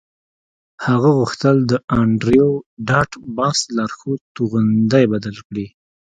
هغه غوښتل د انډریو ډاټ باس لارښود توغندی بدل کړي